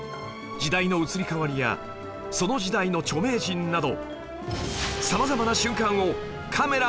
時代の移り変わりやその時代の著名人など